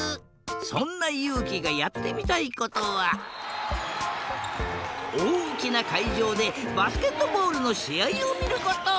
そんなゆうきがやってみたいことはおおきなかいじょうでバスケットボールのしあいをみること。